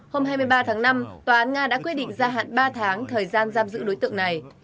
hôm hai mươi ba tháng năm tòa án nga đã quyết định gia hạn ba tháng thời gian giam giữ đối tượng này